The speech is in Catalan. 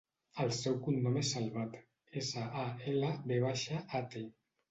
El seu cognom és Salvat: essa, a, ela, ve baixa, a, te.